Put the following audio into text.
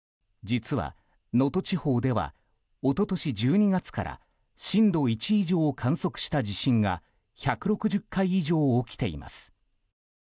実は、能登地方では一昨年１２月から震度１以上を観測した地震が１６０回以上、起きています。